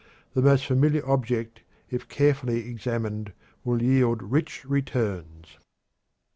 The most familiar object, if carefully examined, will yield rich returns.